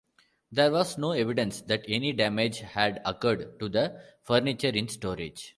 There was no evidence that any damage had occurred to the furniture in storage.